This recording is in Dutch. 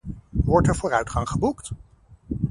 Wordt er vooruitgang geboekt?